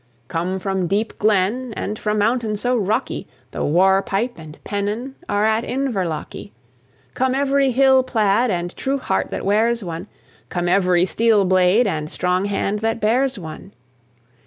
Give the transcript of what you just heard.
Come from deep glen, and From mountain so rocky, The war pipe and pennon Are at Inverlochy. Come every hill plaid, and True heart that wears one, Come every steel blade, and Strong hand that bears one.